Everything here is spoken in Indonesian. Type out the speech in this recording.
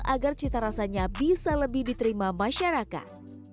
agar cita rasanya bisa lebih diterima masyarakat